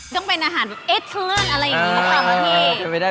ต้องเป็นอาหารเอ็ดเคลื่อนอะไรอย่างนี้นะครับพี่